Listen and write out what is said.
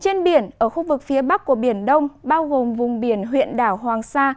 trên biển ở khu vực phía bắc của biển đông bao gồm vùng biển huyện đảo hoàng sa